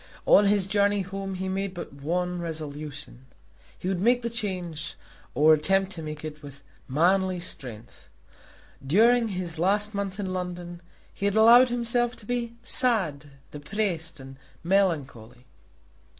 On his journey home he made but one resolution. He would make the change, or attempt to make it, with manly strength. During his last month in London he had allowed himself to be sad, depressed, and melancholy.